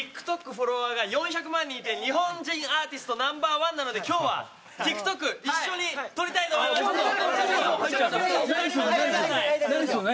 ’ＯＮＬＹＴｉｋＴｏｋフォロワーが４００万人いて日本人アーティストナンバーワンなので今日はＴｉｋＴｏｋ一緒に撮りたいと思います。